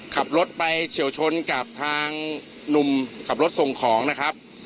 ขับรถไปเฉียวชนกับทางหนุ่มขับรถส่งของนะครับ